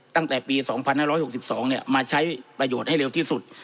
ตั้งแต่ปี๒๕๖๒มาใช้ประโยชน์ให้เร็วที่สุด